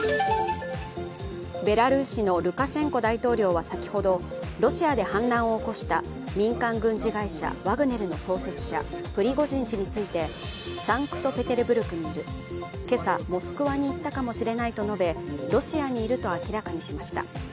ベラルーシのルカシェンコ大統領は先ほどロシアで反乱を起こした民間軍事会社、ワグネルの創設者、プリゴジン氏についてサンクトペテルブルクにいる今朝、モスクワに行ったかもしれないと述べロシアにいると明らかにしました。